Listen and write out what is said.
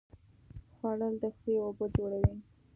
خوړل د خولې اوبه جوړوي